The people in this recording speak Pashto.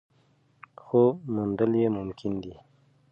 خو موندل یې ممکن دي.